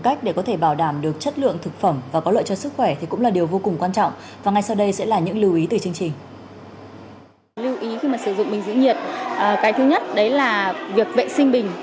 khi mà sử dụng bình giữ nhiệt cái thứ nhất đấy là việc vệ sinh bình